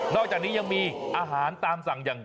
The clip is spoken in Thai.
อกจากนี้ยังมีอาหารตามสั่งอย่าง